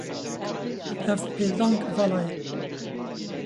Ev peldank vala ye.